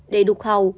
để đục hàu